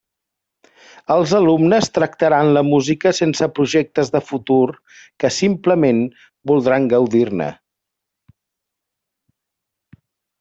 Els alumnes tractaran la música sense projectes de futur, que simplement voldran gaudir-ne.